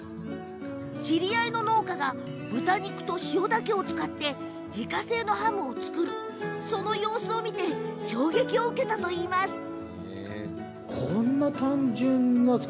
知り合いの農家が豚肉と塩だけを使って自家製のハム作りをするその様子を見て衝撃を受けたといいます。